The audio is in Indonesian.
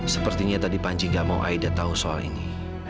sepertinya tadi panji gak mau aida tahu soal ini